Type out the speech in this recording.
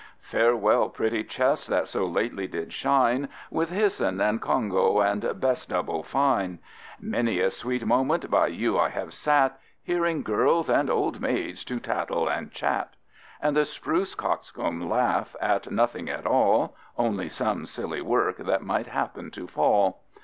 Farewell pretty chest that so lately did shine, With hyson and congo and best double fine; Many a sweet moment by you I have sat, Hearing girls and old maids to tattle and chat; And the spruce coxcomb laugh at nothing at all, Only some silly work that might happen to fall.